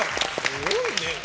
すごいね。